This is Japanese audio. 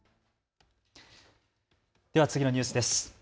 では次のニュースです。